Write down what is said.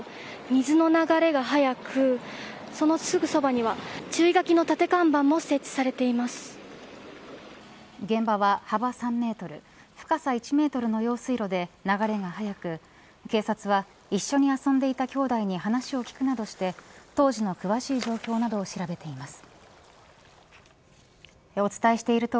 水の流れが速くそのすぐそばには注意書きの立て看板も現場は幅３メートル深さ１メートルの用水路で流れが速く警察は一緒に遊んでいたきょうだいに話を聞くなどして当時の詳しい状況などを調べています。